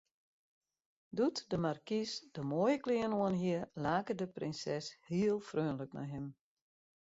Doe't de markys de moaie klean oanhie, lake de prinses heel freonlik nei him.